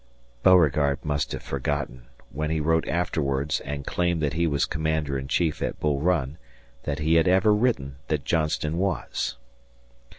Beauregard must have forgotten, when he wrote afterwards and claimed that he was commander in chief at Bull Run, that he had ever written that Johnston was.